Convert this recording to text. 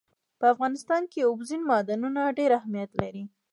په افغانستان کې اوبزین معدنونه ډېر اهمیت لري.